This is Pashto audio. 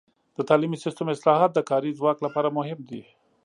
د تعلیمي سیستم اصلاحات د کاري ځواک لپاره مهم دي.